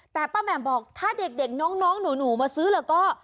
แต่ป้าแหม่มบอกถ้าเด็กน้องหนูมาซื้อแล้วก็